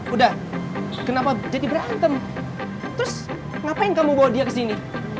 udah kenapa jadi berantem terus ngapain kamu bawa dia ke sini